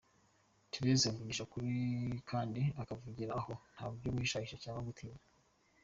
Therese avugisha ukuri kandi akavugira aho nta byo guhishahisha cyangwa gutinya.